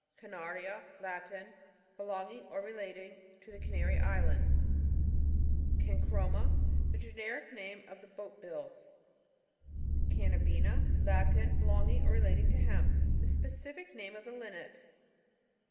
Canaria. — Latin. Belonging or re ' lating to the Canary Islands. CANGRo>iA.<—The generic name ot the Boatbills. Cannabina. — Latin. Belonging or relating to hemp. The specific name of the Linnet.